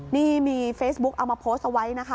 นี่มีเฟซบุ๊กเอามาโพสต์เอาไว้นะคะ